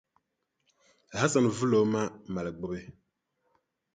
Hasan vili o ma mali gbubi.